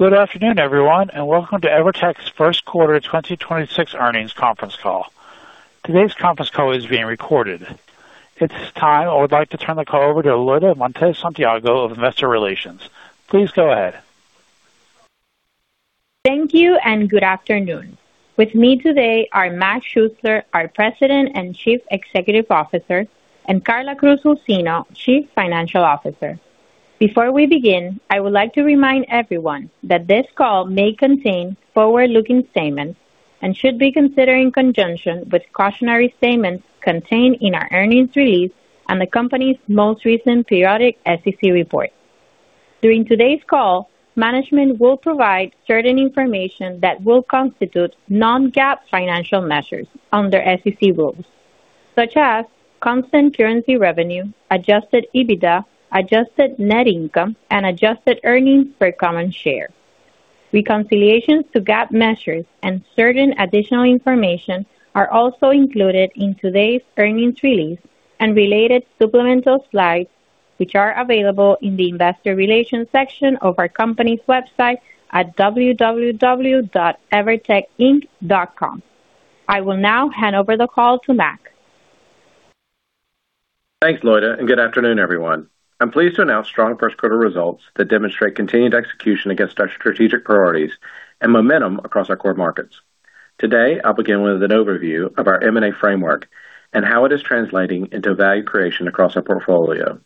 Good afternoon, everyone, and welcome to Evertec's first quarter 2026 earnings conference call. Today's conference call is being recorded. At this time, I would like to turn the call over to Loyda Montes Santiago of Investor Relations. Please go ahead. Thank you and good afternoon. With me today are Mac Schuessler, our President and Chief Executive Officer, and Karla Cruz-Jusino, Chief Financial Officer. Before we begin, I would like to remind everyone that this call may contain forward-looking statements and should be considered in conjunction with cautionary statements contained in our earnings release and the company's most recent periodic SEC report. During today's call, management will provide certain information that will constitute non-GAAP financial measures under SEC rules, such as constant currency revenue, adjusted EBITDA, adjusted net income, and adjusted earnings per common share. Reconciliations to GAAP measures and certain additional information are also included in today's earnings release and related supplemental slides, which are available in the Investor Relations section of our company's website at www.evertecinc.com. I will now hand over the call to Mac. Thanks, Loyda. Good afternoon, everyone. I'm pleased to announce strong first quarter results that demonstrate continued execution against our strategic priorities and momentum across our core markets. Today, I'll begin with an overview of our M&A framework and how it is translating into value creation across our portfolio,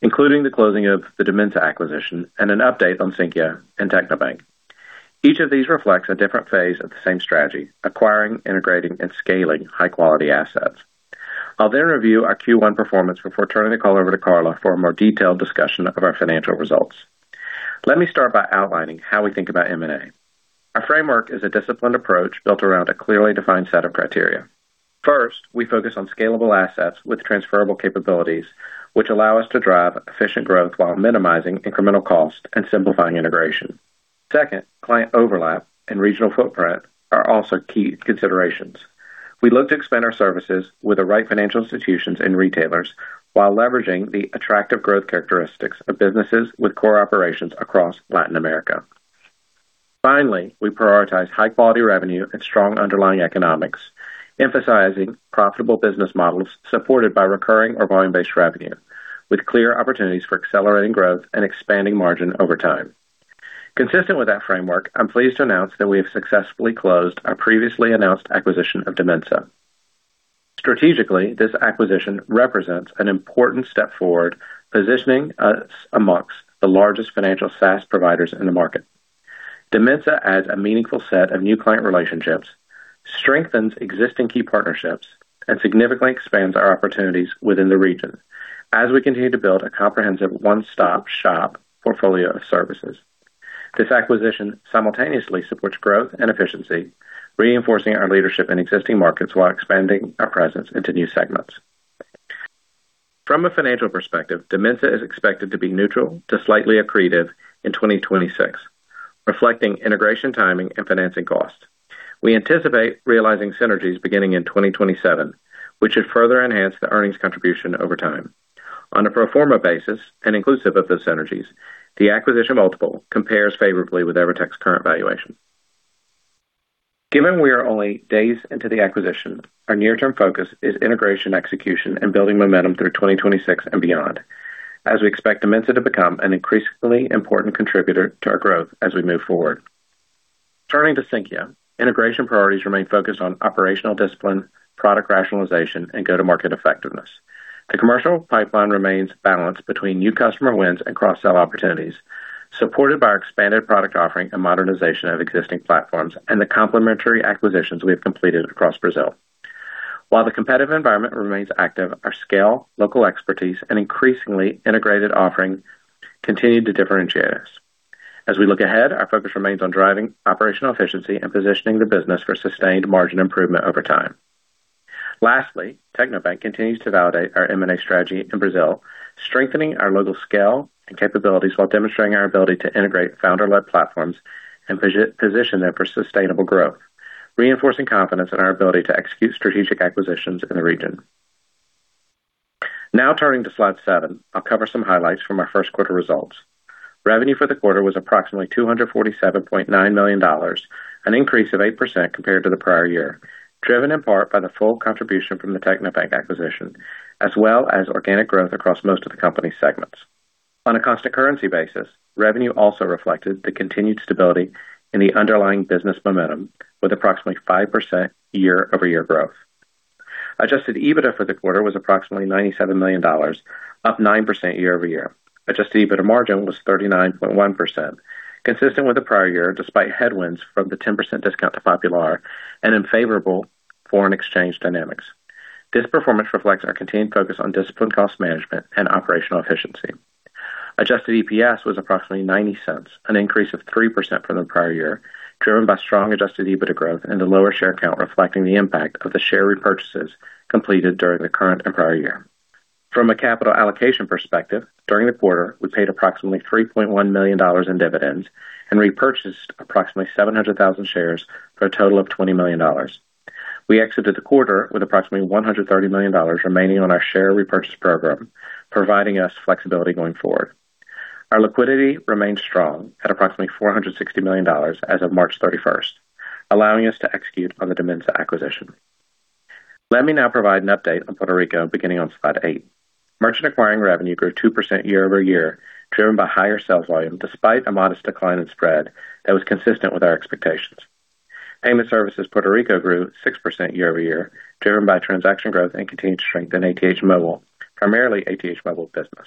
including the closing of the Dimensa acquisition and an update on Sinqia and Tecnobank. Each of these reflects a different phase of the same strategy: acquiring, integrating, and scaling high-quality assets. I'll review our Q1 performance before turning the call over to Karla for a more detailed discussion of our financial results. Let me start by outlining how we think about M&A. Our framework is a disciplined approach built around a clearly defined set of criteria. First, we focus on scalable assets with transferable capabilities, which allow us to drive efficient growth while minimizing incremental cost and simplifying integration. Second, client overlap and regional footprint are also key considerations. We look to expand our services with the right financial institutions and retailers while leveraging the attractive growth characteristics of businesses with core operations across Latin America. Finally, we prioritize high-quality revenue and strong underlying economics, emphasizing profitable business models supported by recurring or volume-based revenue, with clear opportunities for accelerating growth and expanding margin over time. Consistent with that framework, I'm pleased to announce that we have successfully closed our previously announced acquisition of Dimensa. Strategically, this acquisition represents an important step forward, positioning us amongst the largest financial SaaS providers in the market. Dimensa adds a meaningful set of new client relationships, strengthens existing key partnerships, and significantly expands our opportunities within the region as we continue to build a comprehensive one-stop shop portfolio of services. This acquisition simultaneously supports growth and efficiency, reinforcing our leadership in existing markets while expanding our presence into new segments. From a financial perspective, Dimensa is expected to be neutral to slightly accretive in 2026, reflecting integration timing and financing costs. We anticipate realizing synergies beginning in 2027, which should further enhance the earnings contribution over time. On a pro forma basis and inclusive of those synergies, the acquisition multiple compares favorably with Evertec's current valuation. Given we are only days into the acquisition, our near-term focus is integration, execution, and building momentum through 2026 and beyond, as we expect Dimensa to become an increasingly important contributor to our growth as we move forward. Turning to Sinqia, integration priorities remain focused on operational discipline, product rationalization, and go-to-market effectiveness. The commercial pipeline remains balanced between new customer wins and cross-sell opportunities, supported by our expanded product offering and modernization of existing platforms and the complementary acquisitions we have completed across Brazil. While the competitive environment remains active, our scale, local expertise, and increasingly integrated offering continue to differentiate us. As we look ahead, our focus remains on driving operational efficiency and positioning the business for sustained margin improvement over time. Lastly, Tecnobank continues to validate our M&A strategy in Brazil, strengthening our local scale and capabilities while demonstrating our ability to integrate founder-led platforms and position them for sustainable growth, reinforcing confidence in our ability to execute strategic acquisitions in the region. Now turning to slide seven, I'll cover some highlights from our first quarter results. Revenue for the quarter was approximately $247.9 million, an increase of 8% compared to the prior year, driven in part by the full contribution from the Tecnobank acquisition, as well as organic growth across most of the company segments. On a constant currency basis, revenue also reflected the continued stability in the underlying business momentum with approximately 5% year-over-year growth. Adjusted EBITDA for the quarter was approximately $97 million, up 9% year-over-year. Adjusted EBITDA margin was 39.1%, consistent with the prior year, despite headwinds from the 10% discount to Popular and unfavorable foreign exchange dynamics. This performance reflects our continued focus on disciplined cost management and operational efficiency. Adjusted EPS was approximately $0.90, an increase of 3% from the prior year, driven by strong adjusted EBITDA growth and a lower share count reflecting the impact of the share repurchases completed during the current and prior year. From a capital allocation perspective, during the quarter, we paid approximately $3.1 million in dividends and repurchased approximately 700,000 shares for a total of $20 million. We exited the quarter with approximately $130 million remaining on our share repurchase program, providing us flexibility going forward. Our liquidity remains strong at approximately $460 million as of March 31st, allowing us to execute on the Dimensa acquisition. Let me now provide an update on Puerto Rico beginning on slide eight. Merchant acquiring revenue grew 2% year-over-year, driven by higher sales volume despite a modest decline in spread that was consistent with our expectations. Payment Services Puerto Rico grew 6% year-over-year, driven by transaction growth and continued strength in ATH Móvil, primarily ATH Móvil Business.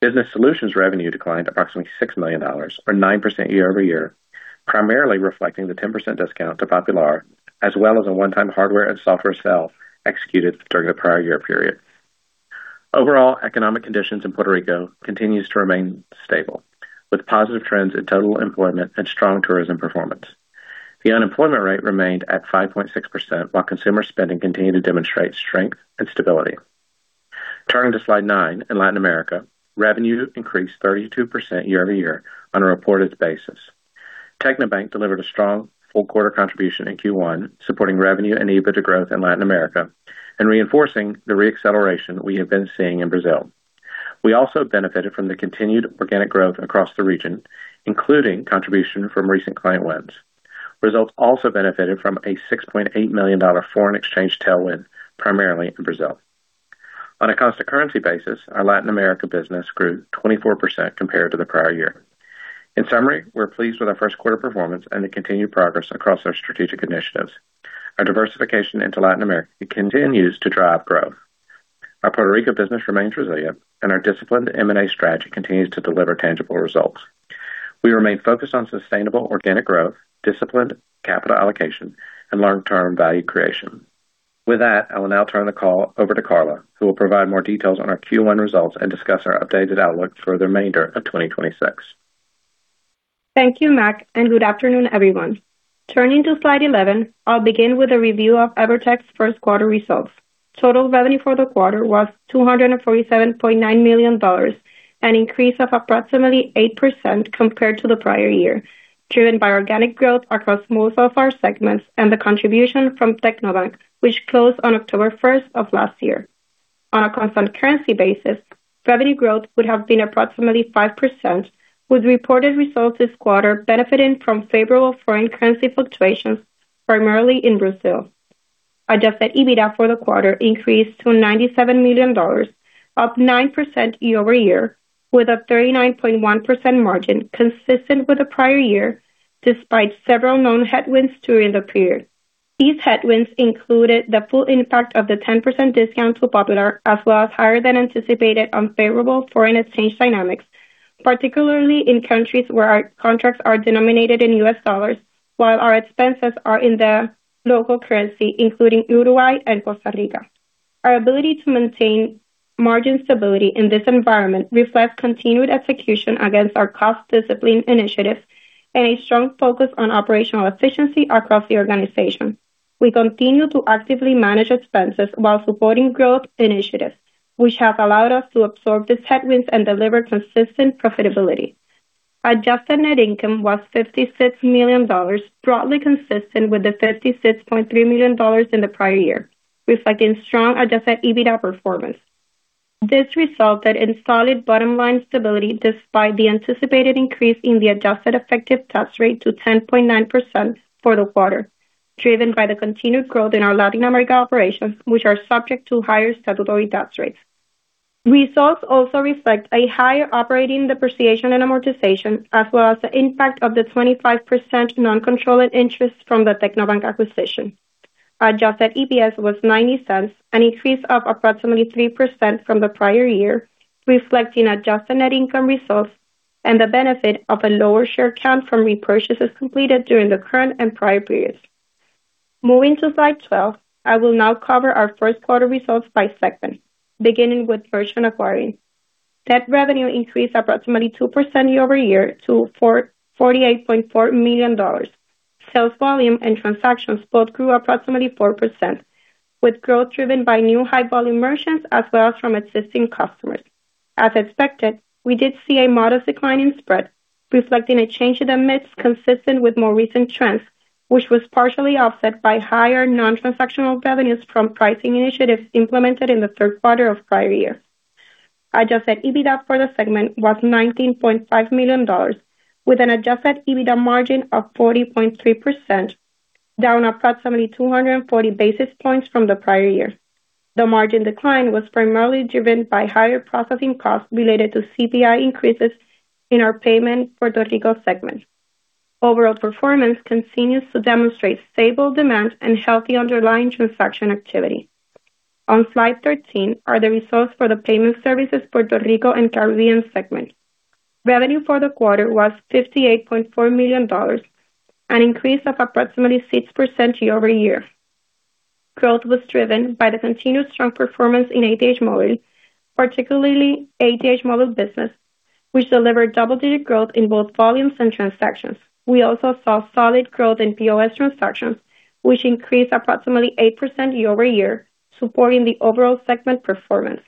Business Solutions revenue declined approximately $6 million or 9% year-over-year, primarily reflecting the 10% discount to Popular as well as a one-time hardware and software sale executed during the prior year period. Overall, economic conditions in Puerto Rico continues to remain stable, with positive trends in total employment and strong tourism performance. The unemployment rate remained at 5.6% while consumer spending continued to demonstrate strength and stability. Turning to slide nine, in Latin America, revenue increased 32% year-over-year on a reported basis. Tecnobank delivered a strong full quarter contribution in Q1, supporting revenue and EBITDA growth in Latin America and reinforcing the re-acceleration we have been seeing in Brazil. We also benefited from the continued organic growth across the region, including contribution from recent client wins. Results also benefited from a $6.8 million foreign exchange tailwind, primarily in Brazil. On a constant currency basis, our Latin America business grew 24% compared to the prior year. In summary, we're pleased with our first quarter performance and the continued progress across our strategic initiatives. Our diversification into Latin America continues to drive growth. Our Puerto Rico business remains resilient and our disciplined M&A strategy continues to deliver tangible results. We remain focused on sustainable organic growth, disciplined capital allocation, and long-term value creation. With that, I will now turn the call over to Karla, who will provide more details on our Q1 results and discuss our updated outlook for the remainder of 2026. Thank you, Mac, and good afternoon, everyone. Turning to slide 11, I'll begin with a review of Evertec's first quarter results. Total revenue for the quarter was $247.9 million, an increase of approximately 8% compared to the prior year, driven by organic growth across most of our segments and the contribution from Tecnobank, which closed on October 1st of last year. On a constant currency basis, revenue growth would have been approximately 5%, with reported results this quarter benefiting from favorable foreign currency fluctuations, primarily in Brazil. Adjusted EBITDA for the quarter increased to $97 million, up 9% year-over-year, with a 39.1% margin consistent with the prior year despite several known headwinds during the period. These headwinds included the full impact of the 10% discount to Popular, as well as higher than anticipated unfavorable foreign exchange dynamics, particularly in countries where our contracts are denominated in US dollars while our expenses are in the local currency, including Uruguay and Costa Rica. Our ability to maintain margin stability in this environment reflects continued execution against our cost discipline initiatives and a strong focus on operational efficiency across the organization. We continue to actively manage expenses while supporting growth initiatives, which have allowed us to absorb these headwinds and deliver consistent profitability. Adjusted net income was $56 million, broadly consistent with the $56.3 million in the prior year, reflecting strong adjusted EBITDA performance. This resulted in solid bottom line stability despite the anticipated increase in the adjusted effective tax rate to 10.9% for the quarter, driven by the continued growth in our Latin America operations, which are subject to higher statutory tax rates. Results also reflect a higher operating depreciation and amortization, as well as the impact of the 25% non-controlling interest from the Tecnobank acquisition. Adjusted EPS was $0.90, an increase of approximately 3% from the prior year, reflecting adjusted net income results and the benefit of a lower share count from repurchases completed during the current and prior periods. Moving to slide 12, I will now cover our first quarter results by segment, beginning with merchant acquiring. Tech revenue increased approximately 2% year-over-year to $48.4 million. Sales volume and transactions both grew approximately 4%, with growth driven by new high-volume merchants as well as from existing customers. As expected, we did see a modest decline in spread, reflecting a change in the mix consistent with more recent trends, which was partially offset by higher non-transactional revenues from pricing initiatives implemented in the third quarter of prior year. Adjusted EBITDA for the segment was $19.5 million, with an adjusted EBITDA margin of 40.3%, down approximately 240 basis points from the prior year. The margin decline was primarily driven by higher processing costs related to CPI increases in our payment Puerto Rico segment. Overall performance continues to demonstrate stable demand and healthy underlying transaction activity. On slide 13 are the results for the payment services Puerto Rico and Caribbean segment. Revenue for the quarter was $58.4 million, an increase of approximately 6% year-over-year. Growth was driven by the continuous strong performance in ATH Móvil, particularly ATH Móvil Business, which delivered double-digit growth in both volumes and transactions. We also saw solid growth in POS transactions, which increased approximately 8% year-over-year, supporting the overall segment performance.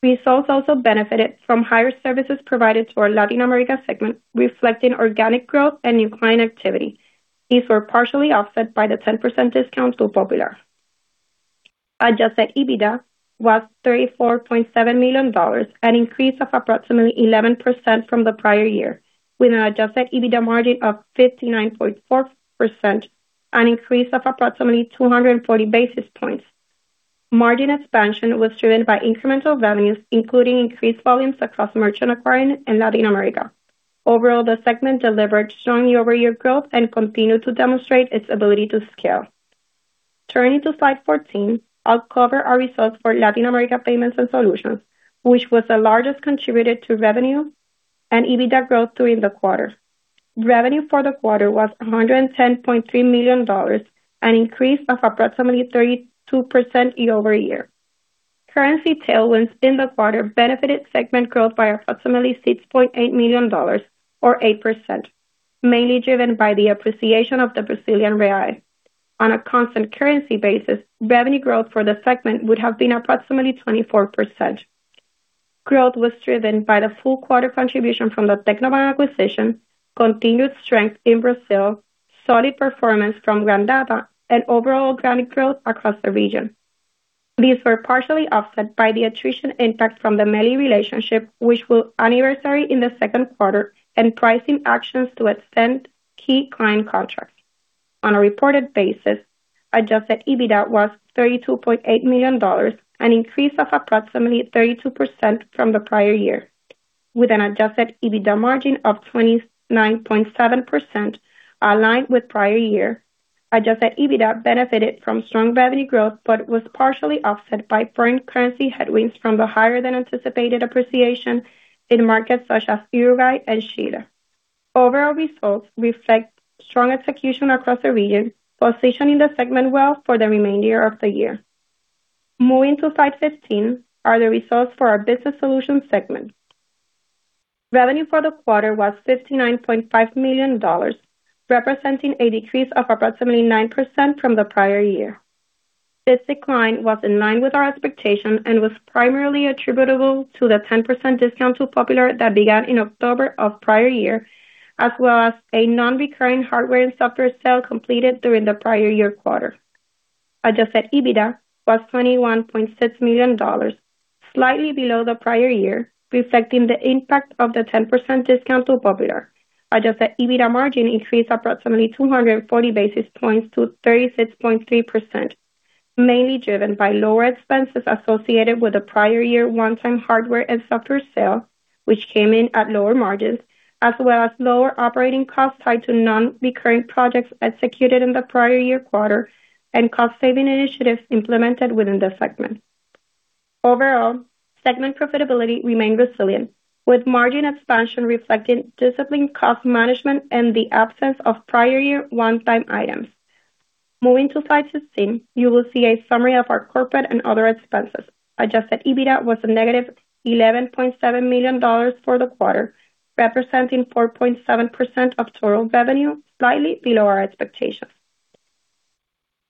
Results also benefited from higher services provided to our Latin America segment, reflecting organic growth and new client activity. These were partially offset by the 10% discount to Popular. Adjusted EBITDA was $34.7 million, an increase of approximately 11% from the prior year, with an adjusted EBITDA margin of 59.4%, an increase of approximately 240 basis points. Margin expansion was driven by incremental revenues, including increased volumes across merchant acquiring in Latin America. Overall, the segment delivered strong year-over-year growth and continued to demonstrate its ability to scale. Turning to slide 14, I'll cover our results for Latin America Payments and Solutions, which was the largest contributor to revenue and EBITDA growth during the quarter. Revenue for the quarter was $110.3 million, an increase of approximately 32% year-over-year. Currency tailwinds in the quarter benefited segment growth by approximately $6.8 million or 8%, mainly driven by the appreciation of the Brazilian real. On a constant currency basis, revenue growth for the segment would have been approximately 24%. Growth was driven by the full quarter contribution from the Tecnobank acquisition, continued strength in Brazil, solid performance from Grandata, and overall organic growth across the region. These were partially offset by the attrition impact from the MELI relationship, which will anniversary in the second quarter, and pricing actions to extend key client contracts. On a reported basis, adjusted EBITDA was $32.8 million, an increase of approximately 32% from the prior year, with an adjusted EBITDA margin of 29.7% aligned with prior year. Adjusted EBITDA benefited from strong revenue growth, but was partially offset by foreign currency headwinds from the higher than anticipated appreciation in markets such as Uruguay and Chile. Overall results reflect strong execution across the region, positioning the segment well for the remainder of the year. Moving to slide 15 are the results for our Business Solutions segment. Revenue for the quarter was $59.5 million, representing a decrease of approximately 9% from the prior year. This decline was in line with our expectations and was primarily attributable to the 10% discount to Popular that began in October of prior year, as well as a non-recurring hardware and software sale completed during the prior year quarter. Adjusted EBITDA was $21.6 million, slightly below the prior year, reflecting the impact of the 10% discount to Popular. Adjusted EBITDA margin increased approximately 240 basis points to 36.3%, mainly driven by lower expenses associated with the prior year one-time hardware and software sale, which came in at lower margins, as well as lower operating costs tied to non-recurring projects executed in the prior year quarter and cost-saving initiatives implemented within the segment. Overall, segment profitability remained resilient, with margin expansion reflecting disciplined cost management and the absence of prior year one-time items. Moving to slide 16, you will see a summary of our corporate and other expenses. adjusted EBITDA was a negative $11.7 million for the quarter, representing 4.7% of total revenue, slightly below our expectations.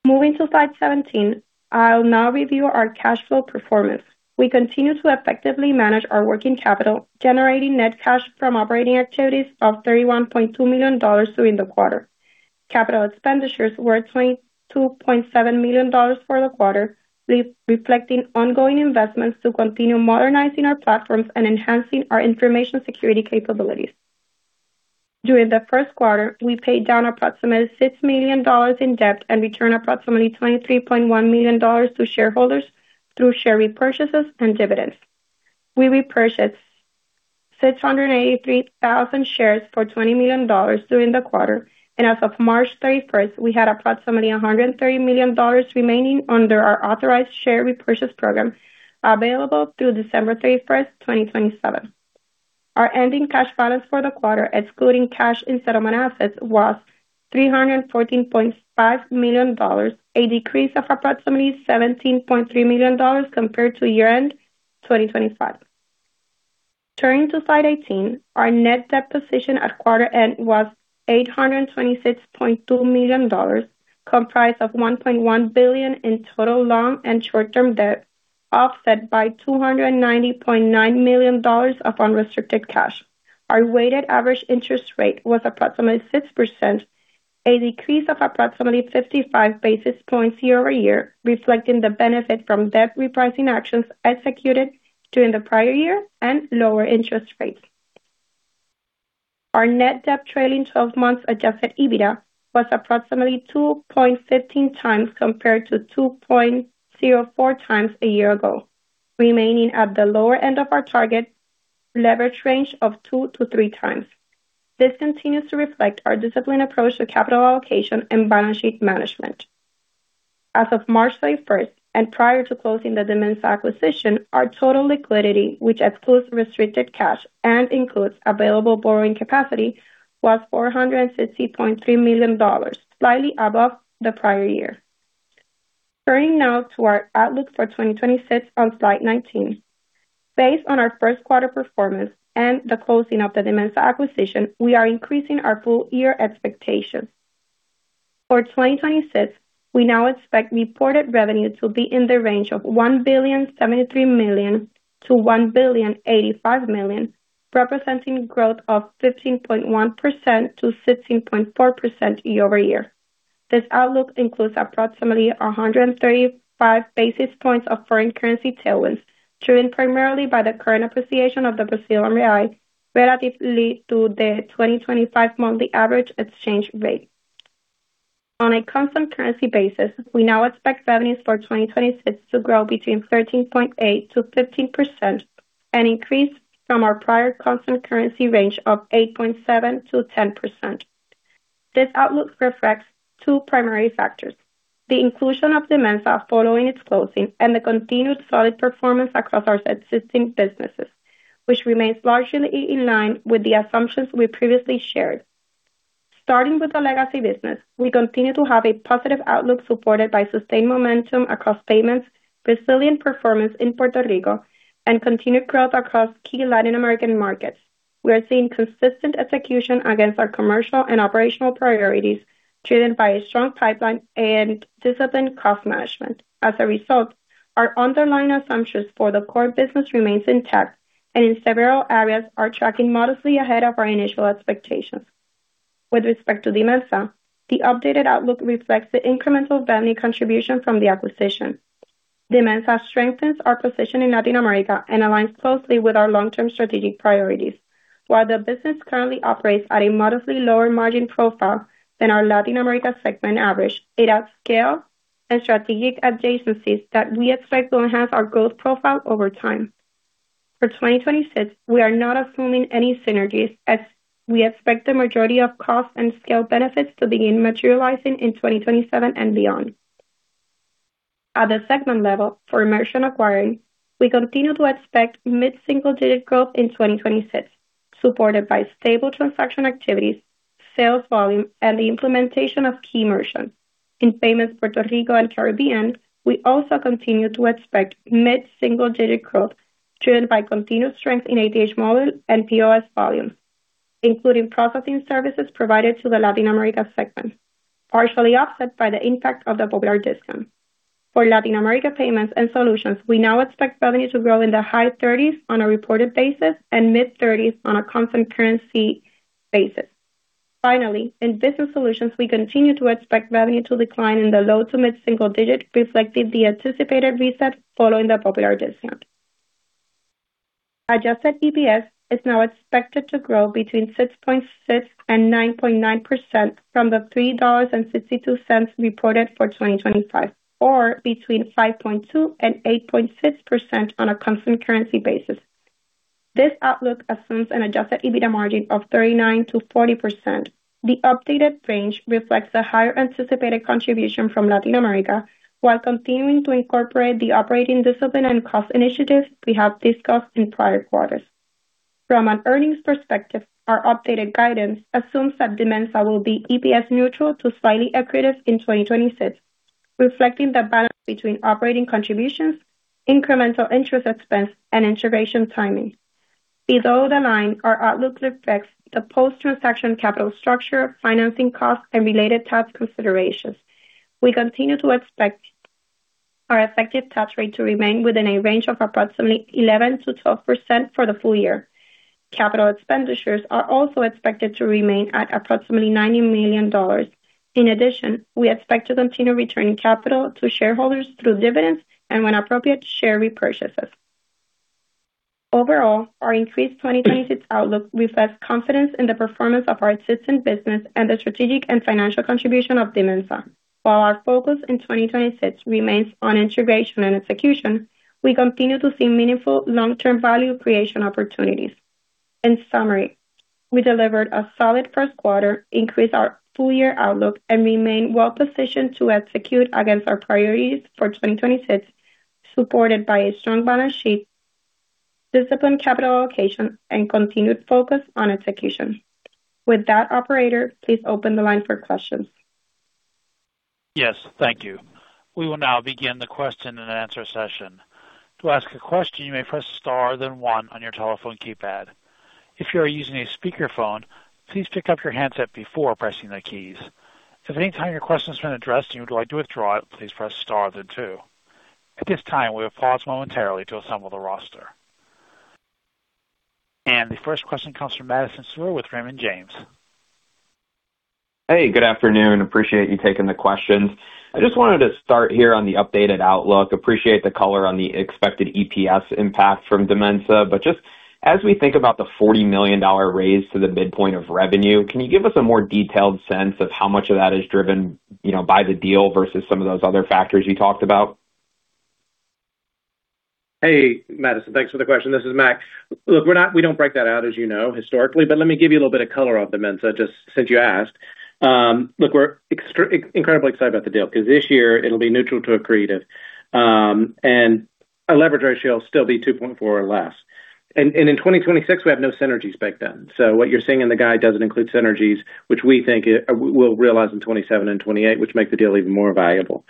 Moving to slide 17, I'll now review our cash flow performance. We continue to effectively manage our working capital, generating net cash from operating activities of $31.2 million during the quarter. Capital expenditures were $22.7 million for the quarter, reflecting ongoing investments to continue modernizing our platforms and enhancing our information security capabilities. During the first quarter, we paid down approximately $6 million in debt and returned approximately $23.1 million to shareholders through share repurchases and dividends. We repurchased 683,000 shares for $20 million during the quarter. As of March 31st, we had approximately $130 million remaining under our authorized share repurchase program available through December 31st, 2027. Our ending cash balance for the quarter, excluding cash and settlement assets, was $314.5 million, a decrease of approximately $17.3 million compared to year-end 2025. Turning to slide 18, our net debt position at quarter end was $826.2 million, comprised of $1.1 billion in total long and short-term debt, offset by $290.9 million of unrestricted cash. Our weighted average interest rate was approximately 6%, a decrease of approximately 55 basis points year-over-year, reflecting the benefit from debt repricing actions executed during the prior year and lower interest rates. Our net debt trailing 12 months adjusted EBITDA was approximately 2.15x compared to 2.04x a year ago, remaining at the lower end of our target leverage range of 2x-3x. This continues to reflect our disciplined approach to capital allocation and balance sheet management. As of March 31st and prior to closing the Dimensa acquisition, our total liquidity, which excludes restricted cash and includes available borrowing capacity, was $460.3 million, slightly above the prior year. Turning now to our outlook for 2026 on slide 19. Based on our first quarter performance and the closing of the Dimensa acquisition, we are increasing our full year expectations. For 2026, we now expect reported revenue to be in the range of $1.073 billion- $1.085 billion, representing growth of 15.1%-16.4% year-over-year. This outlook includes approximately 135 basis points of foreign currency tailwinds, driven primarily by the current appreciation of the Brazilian Real relatively to the 2025 monthly average exchange rate. On a constant currency basis, we now expect revenues for 2026 to grow between 13.8%-15%, an increase from our prior constant currency range of 8.7%-10%. This outlook reflects two primary factors, the inclusion of Dimensa following its closing and the continued solid performance across our existing businesses, which remains largely in line with the assumptions we previously shared. Starting with the legacy business, we continue to have a positive outlook supported by sustained momentum across payments, resilient performance in Puerto Rico, and continued growth across key Latin American markets. We are seeing consistent execution against our commercial and operational priorities, driven by a strong pipeline and disciplined cost management. As a result, our underlying assumptions for the core business remains intact and in several areas are tracking modestly ahead of our initial expectations. With respect to Dimensa, the updated outlook reflects the incremental revenue contribution from the acquisition. Dimensa strengthens our position in Latin America and aligns closely with our long-term strategic priorities. While the business currently operates at a modestly lower margin profile than our Latin America segment average, it adds scale and strategic adjacencies that we expect will enhance our growth profile over time. For 2026, we are not assuming any synergies as we expect the majority of costs and scale benefits to begin materializing in 2027 and beyond. At the segment level, for Merchant Acquiring, we continue to expect mid-single-digit growth in 2026, supported by stable transaction activities, sales volume, and the implementation of key merchants. In Payments Puerto Rico and Caribbean, we also continue to expect mid-single-digit growth driven by continued strength in ATH Móvil and POS volume, including processing services provided to the Latin America segment, partially offset by the impact of the Popular discount. For Latin America Payments and Solutions, we now expect revenue to grow in the high 30s on a reported basis and mid-30s on a constant currency basis. Finally, in Business Solutions, we continue to expect revenue to decline in the low to mid-single-digit, reflecting the anticipated reset following the Popular discount. Adjusted EPS is now expected to grow between 6.6% and 9.9% from the $3.62 reported for 2025, or between 5.2% and 8.6% on a constant currency basis. This outlook assumes an adjusted EBITDA margin of 39%-40%. The updated range reflects the higher anticipated contribution from Latin America while continuing to incorporate the operating discipline and cost initiatives we have discussed in prior quarters. From an earnings perspective, our updated guidance assumes that Dimensa will be EPS neutral to slightly accretive in 2026, reflecting the balance between operating contributions, incremental interest expense, and integration timing. Below the line, our outlook reflects the post-transaction capital structure, financing costs, and related tax considerations. We continue to expect our effective tax rate to remain within a range of approximately 11%-12% for the full year. Capital expenditures are also expected to remain at approximately $90 million. We expect to continue returning capital to shareholders through dividends and, when appropriate, share repurchases. Our increased 2026 outlook reflects confidence in the performance of our existing business and the strategic and financial contribution of Dimensa. While our focus in 2026 remains on integration and execution, we continue to see meaningful long-term value creation opportunities. In summary, we delivered a solid first quarter, increased our full-year outlook, and remain well positioned to execute against our priorities for 2026, supported by a strong balance sheet, disciplined capital allocation, and continued focus on execution. With that, operator, please open the line for questions. Yes, thank you. We will now begin the question and answer session. To ask a question, you may press star, then one on your telephone keypad. If you are using a speakerphone, please pick up your handset before pressing the keys. If at any time your question's been addressed and you would like to withdraw it, please press star then two. At this time, we will pause momentarily to assemble the roster. The first question comes from Madison Suhr with Raymond James. Hey, good afternoon. Appreciate you taking the questions. I just wanted to start here on the updated outlook. Appreciate the color on the expected EPS impact from Dimensa. Just as we think about the $40 million raise to the midpoint of revenue, can you give us a more detailed sense of how much of that is driven, you know, by the deal versus some of those other factors you talked about? Hey, Madison. Thanks for the question. This is Mac. Look, we don't break that out as you know historically, but let me give you a little bit of color on Dimensa just since you asked. Look, we're incredibly excited about the deal because this year it'll be neutral to accretive. Our leverage ratio will still be 2.4 or less. In 2026 we have no synergies baked in. What you're seeing in the guide doesn't include synergies, which we think we'll realize in 2027 and 2028, which make the deal even more valuable.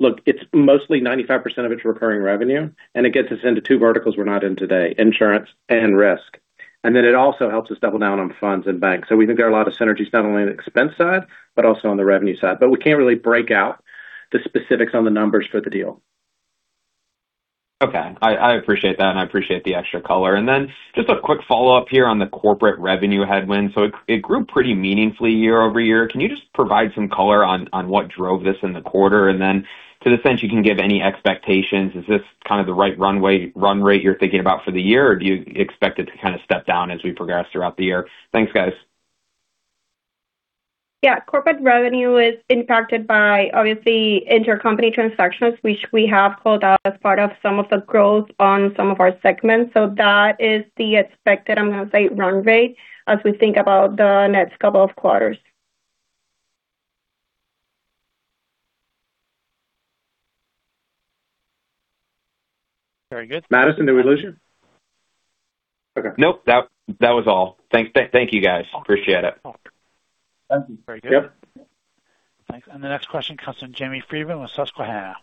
Look, it's mostly 95% of it's recurring revenue, and it gets us into two verticals we're not in today, insurance and risk. It also helps us double down on funds and banks. We think there are a lot of synergies not only on the expense side, but also on the revenue side. We can't really break out the specifics on the numbers for the deal. Okay. I appreciate that, and I appreciate the extra color. Just a quick follow-up here on the corporate revenue headwind. It grew pretty meaningfully year-over-year. Can you just provide some color on what drove this in the quarter? To the extent you can give any expectations, is this kind of the right run rate you're thinking about for the year, or do you expect it to kinda step down as we progress throughout the year? Thanks, guys. Yeah. Corporate revenue is impacted by obviously intercompany transactions, which we have called out as part of some of the growth on some of our segments. That is the expected, I'm gonna say, run rate as we think about the next couple of quarters. Very good. Madison, did we lose you? Okay. Nope. That was all. Thank you, guys. Appreciate it. Okay. Thank you. Very good. Yep. Thanks. The next question comes from James Friedman with Susquehanna.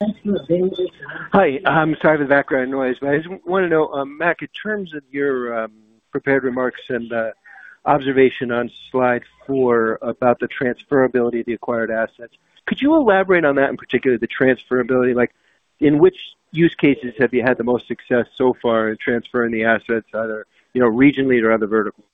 Thank you. Hi. sorry for the background noise. I just wanna know, Mac, in terms of your prepared remarks and observation on slide four about the transferability of the acquired assets, could you elaborate on that, in particular the transferability? Like, in which use cases have you had the most success so far in transferring the assets either, you know, regionally or other verticals?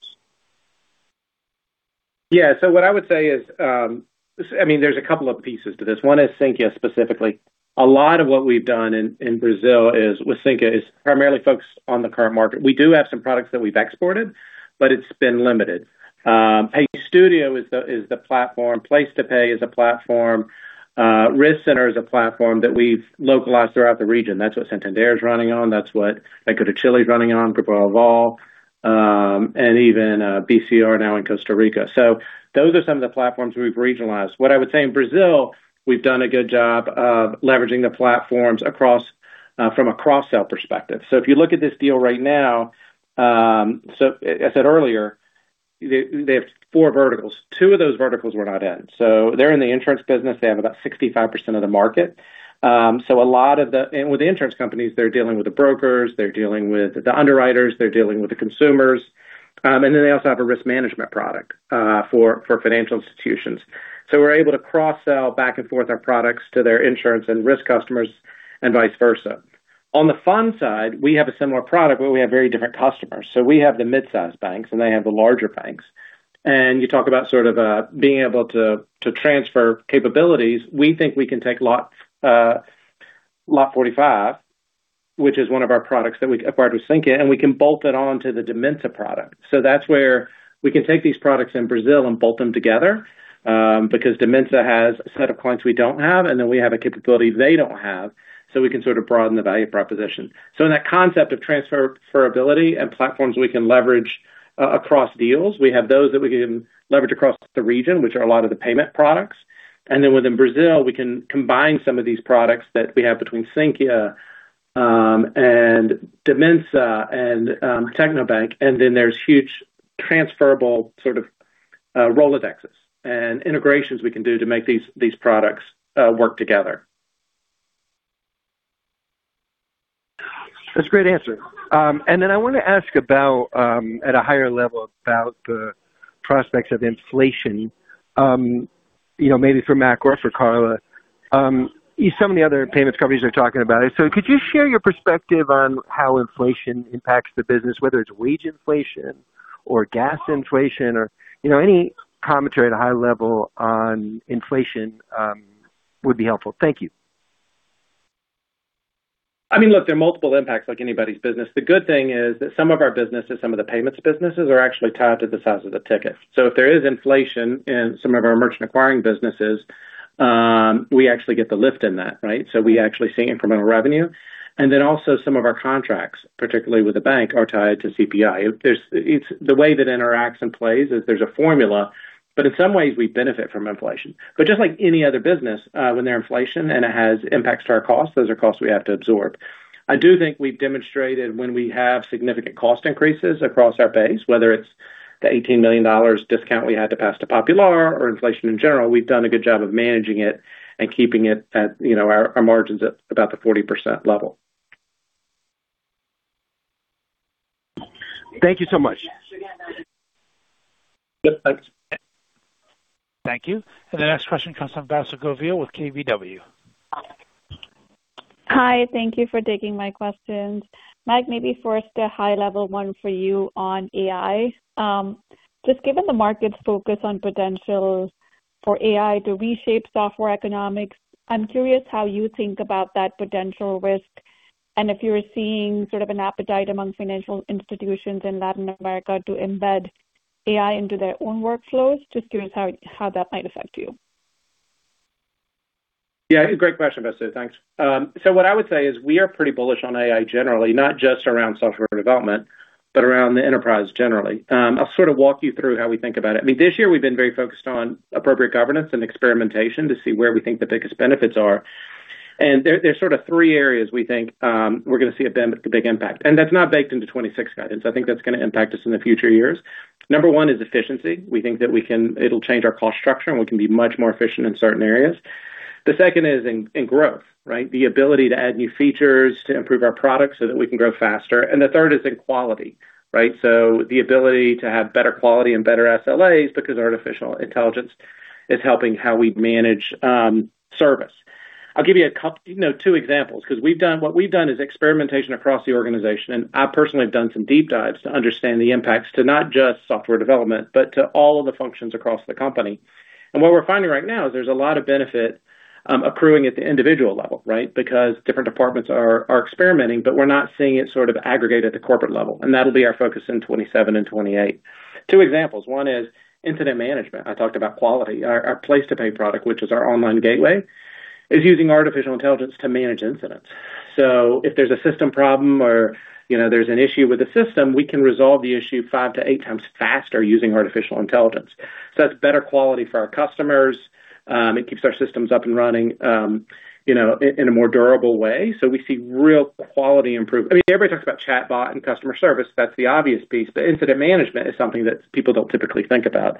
Yeah. What I would say is, I mean, there's a couple of pieces to this. One is Sinqia specifically. A lot of what we've done in Brazil is with Sinqia is primarily focused on the current market. We do have some products that we've exported, but it's been limited. PayStudio is the platform. PlacetoPay is a platform. RiskCenter is a platform that we've localized throughout the region. That's what Santander is running on. That's what Banco de Chile is running on, Grupo Aval, and even, BCR now in Costa Rica. Those are some of the platforms we've regionalized. What I would say in Brazil, we've done a good job of leveraging the platforms across, from a cross-sell perspective. If you look at this deal right now, as I said earlier, they have four verticals. Two of those verticals we're not in. They're in the insurance business. They have about 65% of the market. With the insurance companies, they're dealing with the brokers, they're dealing with the underwriters, they're dealing with the consumers, and then they also have a risk management product for financial institutions. We're able to cross-sell back and forth our products to their insurance and risk customers and vice versa. On the fund side, we have a similar product where we have very different customers. We have the midsize banks, and they have the larger banks. You talk about sort of being able to transfer capabilities. We think we can take LOTE45, which is one of our products that we acquired with Sinqia, and we can bolt it on to the Dimensa product. That's where we can take these products in Brazil and bolt them together because Dimensa has a set of clients we don't have, and then we have a capability they don't have, so we can sort of broaden the value proposition. In that concept of transferability and platforms we can leverage across deals, we have those that we can leverage across the region, which are a lot of the payment products. Within Brazil, we can combine some of these products that we have between Sinqia, and Dimensa and Tecnobank, and then there's huge transferable sort of Rolodexes and integrations we can do to make these products work together. That's a great answer. I wanna ask about, at a higher level about the prospects of inflation, you know, maybe for Mac or for Karla. Some of the other payments companies are talking about it. Could you share your perspective on how inflation impacts the business, whether it's wage inflation or gas inflation or, you know, any commentary at a high level on inflation, would be helpful. Thank you. I mean, look, there are multiple impacts like anybody's business. The good thing is that some of our businesses, some of the payments businesses are actually tied to the size of the ticket. If there is inflation in some of our merchant acquiring businesses, we actually get the lift in that, right? We actually see incremental revenue. Some of our contracts, particularly with the bank, are tied to CPI. The way that interacts and plays is there's a formula, but in some ways we benefit from inflation. Just like any other business, when there's inflation and it has impacts to our costs, those are costs we have to absorb. I do think we've demonstrated when we have significant cost increases across our base, whether it's the $18 million discount we had to pass to Popular or inflation in general, we've done a good job of managing it and keeping it at, you know, our margins at about the 40% level. Thank you so much. Yep. Thanks. Thank you. The next question comes from Vasundhara Govil with KBW. Hi. Thank you for taking my questions. Mac, maybe first a high level one for you on AI. Just given the market's focus on potential for AI to reshape software economics, I'm curious how you think about that potential risk and if you're seeing sort of an appetite among financial institutions in Latin America to embed AI into their own workflows. Just curious how that might affect you. Yeah. Great question, Vasu. Thanks. What I would say is we are pretty bullish on AI generally, not just around software development, but around the enterprise generally. I'll sort of walk you through how we think about it. I mean, this year we've been very focused on appropriate governance and experimentation to see where we think the biggest benefits are. There's sort of three areas we think we're gonna see a big impact, and that's not baked into 2026 guidance. I think that's gonna impact us in the future years. Number one is efficiency. We think that it'll change our cost structure, and we can be much more efficient in certain areas. The second is in growth, right? The ability to add new features to improve our products so that we can grow faster. The third is in quality, right? The ability to have better quality and better SLAs because artificial intelligence is helping how we manage service. I'll give you know, two examples, because what we've done is experimentation across the organization, and I personally have done some deep dives to understand the impacts to not just software development, but to all of the functions across the company. What we're finding right now is there's a lot of benefit accruing at the individual level, right? Because different departments are experimenting, but we're not seeing it sort of aggregate at the corporate level, and that'll be our focus in 2027 and 2028. Two examples. One is incident management. I talked about quality. Our PlacetoPay product, which is our online gateway, is using artificial intelligence to manage incidents. If there's a system problem or, you know, there's an issue with the system, we can resolve the issue 5x-8x faster using artificial intelligence. It keeps our systems up and running, you know, in a more durable way. We see real quality improvement. I mean, everybody talks about chatbot and customer service. That's the obvious piece, but incident management is something that people don't typically think about.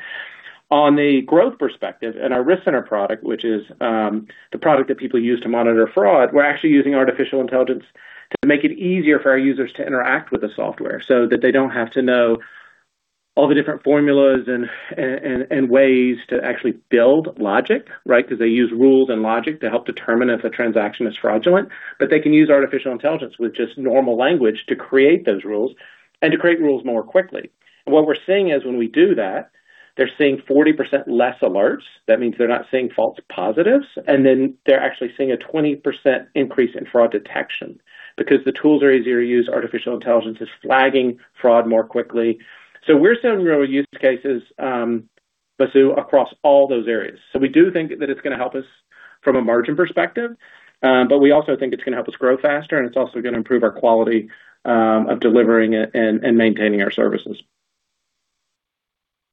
On the growth perspective, in our RiskCenter product, which is the product that people use to monitor fraud, we're actually using artificial intelligence to make it easier for our users to interact with the software so that they don't have to know all the different formulas and ways to actually build logic, right? Because they use rules and logic to help determine if a transaction is fraudulent. They can use artificial intelligence with just normal language to create those rules and to create rules more quickly. What we're seeing is when we do that, they're seeing 40% less alerts. That means they're not seeing false positives, they're actually seeing a 20% increase in fraud detection because the tools are easier to use. Artificial intelligence is flagging fraud more quickly. We're seeing real use cases, Vasu, across all those areas. We do think that it's gonna help us from a margin perspective, but we also think it's gonna help us grow faster, and it's also gonna improve our quality of delivering it and maintaining our services.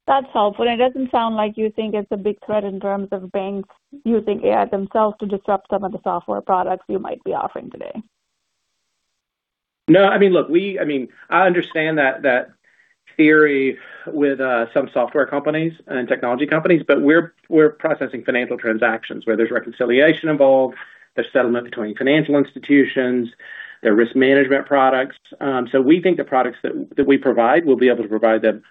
That's helpful. It doesn't sound like you think it's a big threat in terms of banks using AI themselves to disrupt some of the software products you might be offering today. No, I mean, look, I understand that theory with some software companies and technology companies, but we're processing financial transactions where there's reconciliation involved, there's settlement between financial institutions, there are risk management products. We think the products that we provide, we'll be able to provide them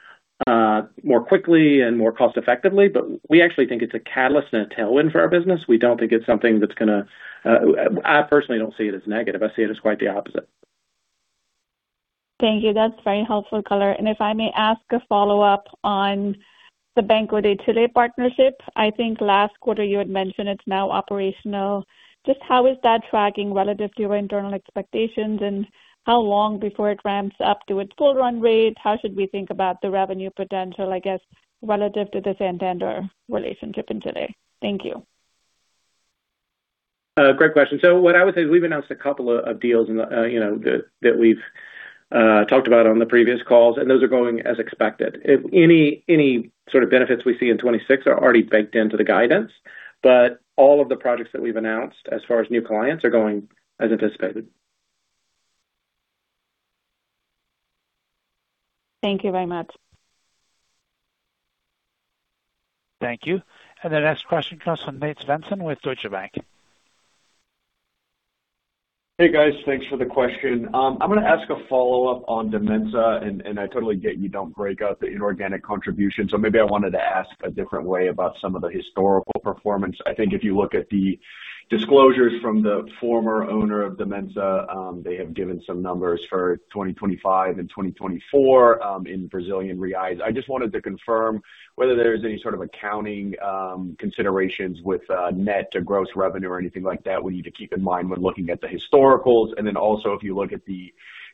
more quickly and more cost effectively, but we actually think it's a catalyst and a tailwind for our business. We don't think it's something that's gonna. I personally don't see it as negative. I see it as quite the opposite. Thank you. That's very helpful color. If I may ask a follow-up on the Banco Itaú partnership. I think last quarter you had mentioned it's now operational. How is that tracking relative to your internal expectations, and how long before it ramps up to its full run rate? How should we think about the revenue potential, I guess, relative to the Santander relationship in today? Thank you. Great question. What I would say is we've announced a couple of deals in the, you know, that we've talked about on the previous calls, and those are going as expected. If any sort of benefits we see in 2026 are already baked into the guidance. All of the projects that we've announced as far as new clients are going as anticipated. Thank you very much. Thank you. The next question comes from Nate Svensson with Deutsche Bank. Hey, guys. Thanks for the question. I'm gonna ask a follow-up on Dimensa, I totally get you don't break out the inorganic contribution, I wanted to ask a different way about some of the historical performance. If you look at the disclosures from the former owner of Dimensa, they have given some numbers for 2025 and 2024 in Brazilian reais. I just wanted to confirm whether there's any sort of accounting considerations with net to gross revenue or anything like that we need to keep in mind when looking at the historicals. If you look at the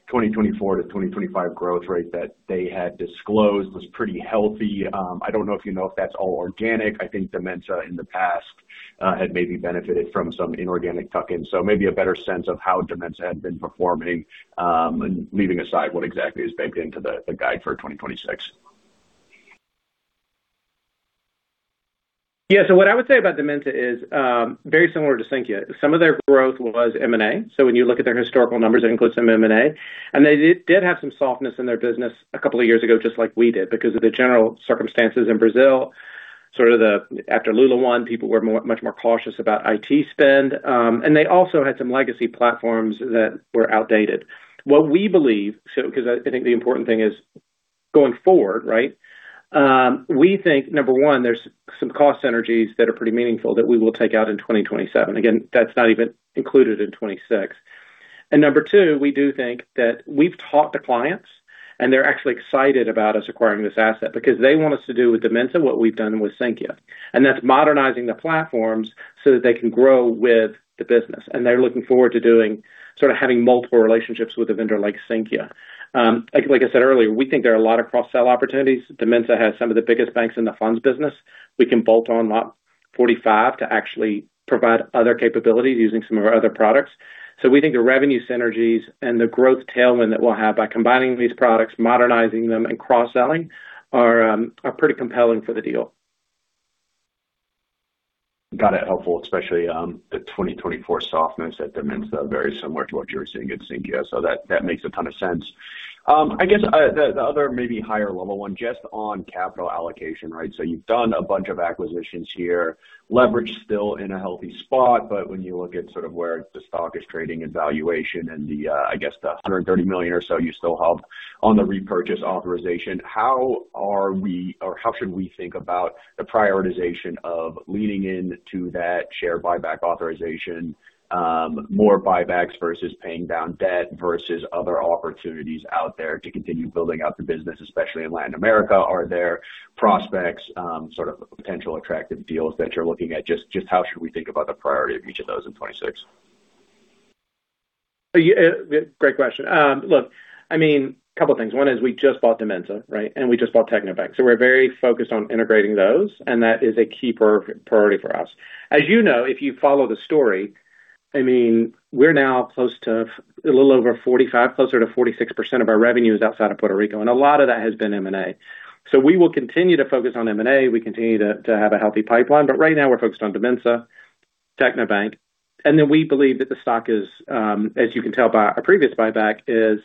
2024 to 2025 growth rate that they had disclosed was pretty healthy. I don't know if you know if that's all organic. Dimensa in the past had maybe benefited from some inorganic tuck-ins. Maybe a better sense of how Dimensa had been performing, and leaving aside what exactly is baked into the guide for 2026. Yeah. What I would say about Dimensa is very similar to Sinqia. Some of their growth was M&A. When you look at their historical numbers, it includes some M&A. They did have some softness in their business a couple of years ago, just like we did, because of the general circumstances in Brazil. After Lula won, people were much more cautious about IT spend. They also had some legacy platforms that were outdated. What we believe, 'cause I think the important thing is going forward, right? We think, number one, there's some cost synergies that are pretty meaningful that we will take out in 2027. Again, that's not even included in 2026. Number two, we do think that we've talked to clients, and they're actually excited about us acquiring this asset because they want us to do with Dimensa what we've done with Sinqia. That's modernizing the platforms so that they can grow with the business. They're looking forward to doing sort of having multiple relationships with a vendor like Sinqia. Like, like I said earlier, we think there are a lot of cross-sell opportunities. Dimensa has some of the biggest banks in the funds business. We can bolt on LOTE45 to actually provide other capabilities using some of our other products. We think the revenue synergies and the growth tailwind that we'll have by combining these products, modernizing them, and cross-selling are pretty compelling for the deal. Got it. Helpful, especially, the 2024 softness at Dimensa, very similar to what you're seeing at Sinqia. That makes a ton of sense. I guess, the other maybe higher level one just on capital allocation, right? You've done a bunch of acquisitions here. Leverage still in a healthy spot, when you look at sort of where the stock is trading and valuation and I guess the $130 million or so you still have on the repurchase authorization, how are we or how should we think about the prioritization of leaning into that share buyback authorization, more buybacks versus paying down debt versus other opportunities out there to continue building out the business, especially in Latin America? Are there prospects, sort of potential attractive deals that you're looking at? Just how should we think about the priority of each of those in 2026? Yeah. Great question. Look, I mean, couple of things. One is we just bought Dimensa, right? We just bought Tecnobank. We're very focused on integrating those, and that is a key priority for us. As you know, if you follow the story, I mean, we're now close to a little over 45%, closer to 46% of our revenue is outside of Puerto Rico, and a lot of that has been M&A. We will continue to focus on M&A. We continue to have a healthy pipeline. Right now we're focused on Dimensa, Tecnobank. We believe that the stock is, as you can tell by our previous buyback is,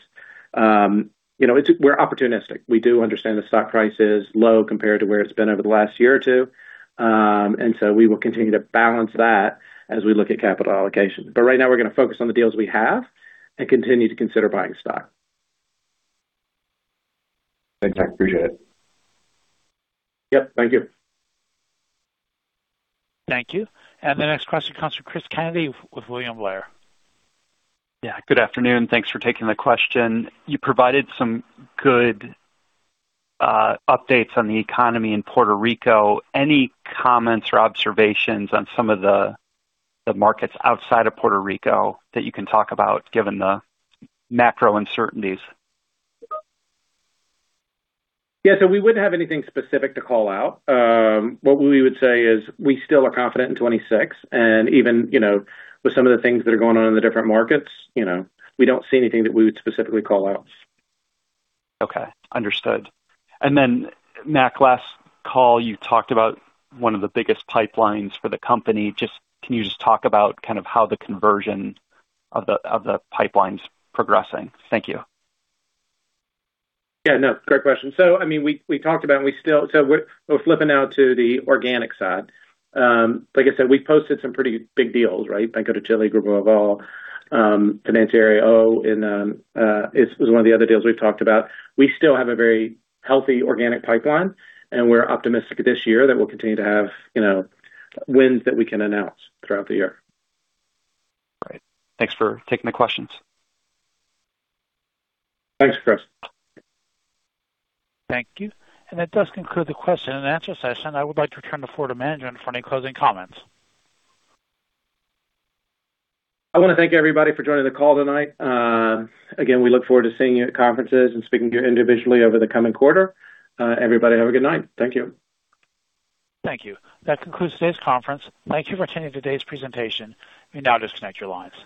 you know, we're opportunistic. We do understand the stock price is low compared to where it's been over the last year or two. We will continue to balance that as we look at capital allocation. Right now we're gonna focus on the deals we have and continue to consider buying stock. Thanks, Mac. Appreciate it. Yep. Thank you. Thank you. The next question comes from Cris Kennedy with William Blair. Yeah. Good afternoon. Thanks for taking the question. You provided some good updates on the economy in Puerto Rico. Any comments or observations on some of the markets outside of Puerto Rico that you can talk about given the macro uncertainties? Yeah. We wouldn't have anything specific to call out. What we would say is we still are confident in 2026. Even, you know, with some of the things that are going on in the different markets, you know, we don't see anything that we would specifically call out. Okay. Understood. Then, Mac, last call, you talked about one of the biggest pipelines for the company. Can you just talk about kind of how the conversion of the, of the pipeline's progressing? Thank you. Yeah, no. Great question. I mean, we talked about. We're flipping now to the organic side. Like I said, we've posted some pretty big deals, right? Banco de Chile, Grupo Aval, Financiera Oh!, and was one of the other deals we've talked about. We still have a very healthy organic pipeline, and we're optimistic this year that we'll continue to have, you know, wins that we can announce throughout the year. Great. Thanks for taking the questions. Thanks, Cris. Thank you. That does conclude the question and answer session. I would like to turn the floor to management for any closing comments. I wanna thank everybody for joining the call tonight. Again, we look forward to seeing you at conferences and speaking to you individually over the coming quarter. Everybody, have a good night. Thank you. Thank you. That concludes today's conference. Thank you for attending today's presentation. You may now disconnect your lines.